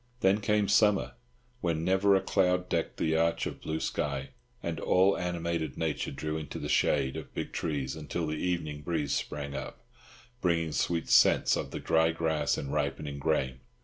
Then came summer, when never a cloud decked the arch of blue sky, and all animated nature drew into the shade of big trees until the evening breeze sprang up, bringing sweet scents of the dry grass and ripening grain.